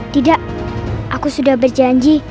tidak aku sudah berjanji